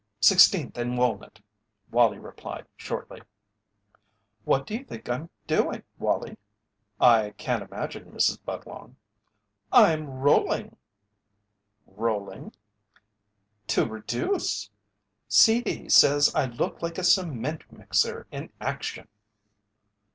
"Sixteenth and Walnut," Wallie replied, shortly. "What do you think I'm doing, Wallie?" "I can't imagine, Mrs. Budlong." "I'm rolling!" "Rolling?" "To reduce. C. D. says I look like a cement mixer in action."